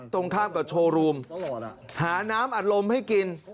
ตรงข้ามกับโชว์รูมหาน้ำอัดลมให้กิน